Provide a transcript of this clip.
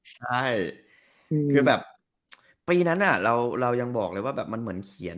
ใช่คือแบบปีนั้นเรายังบอกเลยว่าแบบมันเหมือนเขียน